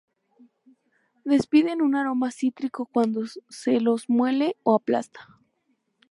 Despiden un aroma cítrico cuando se los muele o aplasta.